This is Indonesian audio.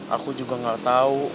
aku juga gak tau